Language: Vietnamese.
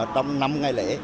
trong năm ngày lễ